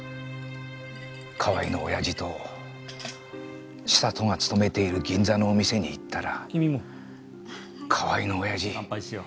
河合のオヤジと千里が勤めている銀座のお店に行ったら河合のオヤジ